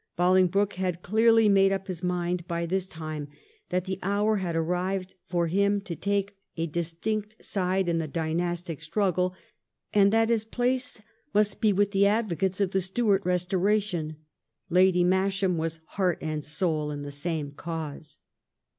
Bolingbroke had clearly made up his mind, by this time, that the hour had arrived for him to take a distinct side in the dynastic struggle, and that his place must be with the advocates of the Stuart Eestoration. Lady Masham was heart and soul in the same cause.